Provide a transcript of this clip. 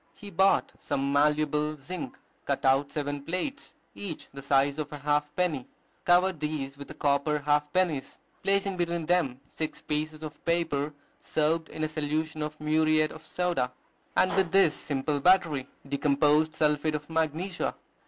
He bought some malleable zinc, cut out seven plates, each the size of a half penny, covered these with the copper half pennies, placing between them six pieces of paper soaked in a solution of muriate of soda, and with this simple battery, decomposed sulphate of magnesia.